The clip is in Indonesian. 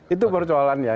itu percualan ya